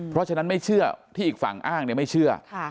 เพราะฉะนั้นไม่เชื่อที่อีกฝั่งอ้างไม่เชื่อ